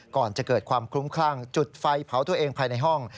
ก่อนจะเกิดความคลุ้มคลั่งจุดไฟเผาตัวเองภายในห้อง